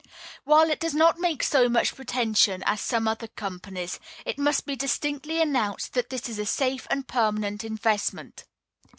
While it does not make so much pretension as some other companies, it must be distinctly announced that this is a safe and permanent investment."